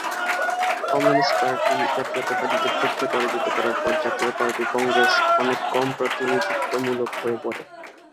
Communist party জাতীয়তাবাদীদের যুদ্ধে পরাজিত করার পর জাতীয় পার্টি কংগ্রেস অনেক কম প্রতিনিধিত্বমূলক হয়ে পড়ে।